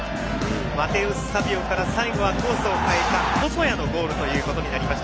マテウス・サヴィオから最後はコースを変えた細谷のゴール。